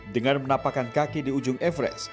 dengan menapakkan kaki di ujung everest